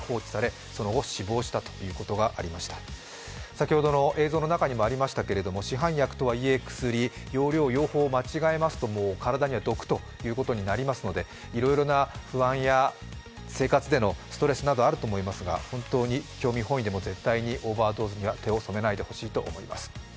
先ほどの映像の中にもありましたけれども市販薬とはいえ薬、用量・用法を間違えますと、体には毒ということになりますのでいろいろな不安や生活でのストレスなどあると思いますが本当に興味本位でも絶対にオーバードーズには手を染めないでほしいと思います。